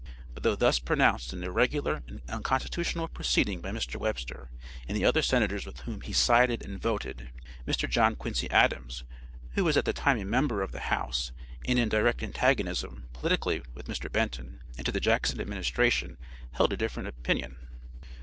But though thus pronounced an irregular and unconstitutional proceeding by Mr. Webster and the other senators with whom he sided and voted, Mr. John Quincy Adams, who was at the time a member of the house, and in direct antagonism, politically, with Mr. Benton, and to the Jackson administration held a different opinion.